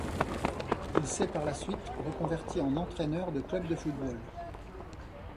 Il s'est par la suite reconverti en entraîneur de clubs de football.